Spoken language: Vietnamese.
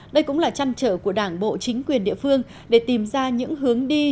đây cũng là trăn trở của đảng bộ chính quyền địa phương để tìm ra những hướng đi